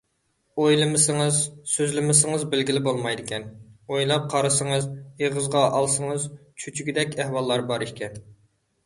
ئويلىمىسىڭىز، سۆزلىمىسىڭىز بىلگىلى بولمايدىكەن، ئويلاپ قارىسىڭىز، ئېغىزغا ئالسىڭىز چۆچۈگىدەك ئەھۋاللار بار ئىكەن.